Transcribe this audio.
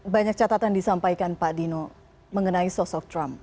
banyak catatan disampaikan pak dino mengenai sosok trump